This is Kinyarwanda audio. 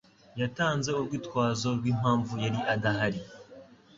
Yatanze urwitwazo rw'impamvu yari adahari.